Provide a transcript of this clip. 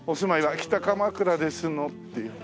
「北鎌倉ですの」っていう。